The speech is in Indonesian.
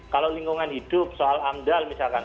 kalau lingkungan hidup soal amdal misalkan